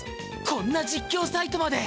こんな実況サイトまで！